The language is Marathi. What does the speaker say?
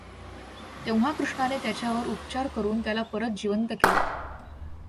तेव्हा कृष्णाने त्याच्यावर उपचार करून त्याला परत जिवंत केले.